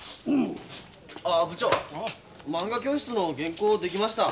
あっ部長まんが教室の原稿できました。